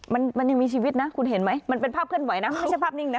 มันมันยังมีชีวิตนะคุณเห็นไหมมันเป็นภาพเคลื่อนไหวนะไม่ใช่ภาพนิ่งนะ